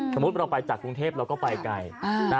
สมมุติเราไปจากกรุงเทพเราก็ไปไกล